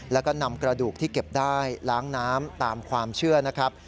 แล้วก็นำกระดูกที่เก็บได้ล้างน้ำตามความเชื่อนะครับ